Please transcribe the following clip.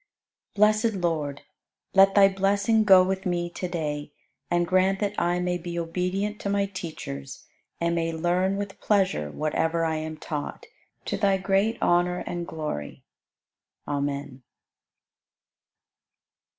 87. Blessed Lord, let Thy blessing go with me to day and grant that I may be obedient to my teachers and may learn with pleasure whatever I am taught, to Thy great honor and glory. Amen.